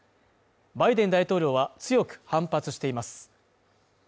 バイデン大統領は強く反発しています。